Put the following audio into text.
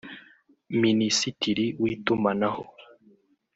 Minisitiri w’Itumanaho